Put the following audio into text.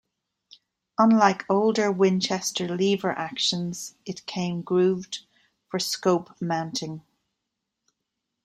Unlike older Winchester lever actions it came grooved for scope mounting.